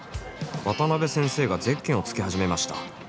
渡辺先生がゼッケンをつけ始めました。